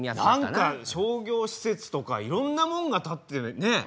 何か商業施設とかいろんなもんが建ってね。